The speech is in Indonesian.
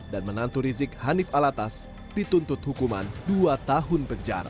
dan menantu rizik hanif alatas dituntut hukuman dua tahun penjara